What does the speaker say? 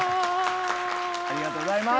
ありがとうございます。